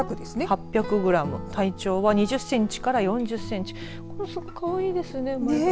８００グラム体長は２０センチから４０センチかわいいですね。